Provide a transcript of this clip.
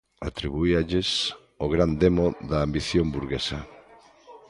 Atribuíalles o gran demo da ambición burguesa.